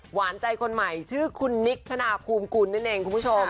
หวานใจคนใหม่ชื่อคุณนิกธนาภูมิกุลนั่นเองคุณผู้ชม